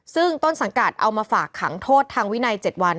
ซึ่งต้นสังกัดเอามาฝากขังโทษทางวินัย๗วัน